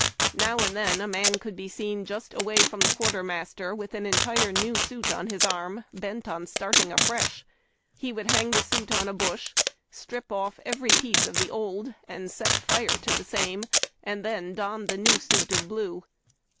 Now and then a man could be seen just from the quartermaster with an entire new suit on his arm, bent on starting afresh. He would hang the suit on a bush, strip off every piece of the old, and set fire to the (K)NITTING WORK. 82 HARD TACK AND COFFEE. same, and thou don the new suit of blue.